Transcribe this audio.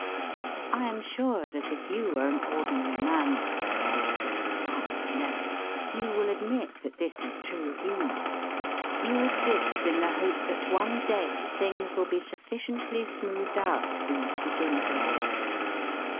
I am sure that if you are an ordinary man (of course, you aren't, I know) you will admit that this is true of you; you exist in the hope that one day things will be sufficiently smoothed out for you to begin to live.